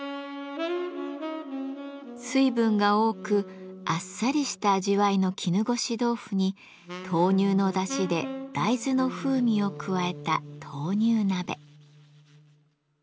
水分が多くあっさりした味わいの絹ごし豆腐に豆乳のだしで大豆の風味を加えた豆乳鍋。